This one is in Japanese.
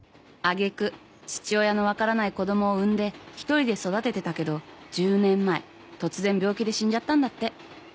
揚げ句父親の分からない子供を産んで一人で育ててたけど１０年前突然病気で死んじゃったんだって。